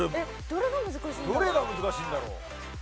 どれが難しいんだろう？